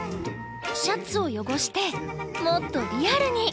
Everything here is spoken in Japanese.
シャツを汚してもっとリアルに！